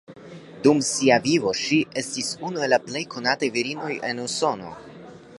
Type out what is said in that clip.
Dum sia vivo ŝi estis unu el la plej konataj virinoj en Usono.